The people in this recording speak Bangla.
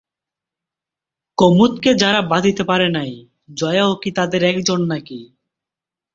কুমুদকে যারা বাধিতে পারে নাই জয়াও কী তাদের একজন নাকি?